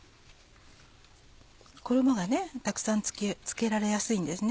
衣がたくさん付けられやすいんですね。